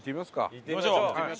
行ってみましょう。